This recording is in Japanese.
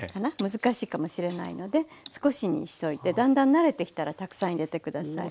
難しいかもしれないので少しにしといてだんだん慣れてきたらたくさん入れて下さい。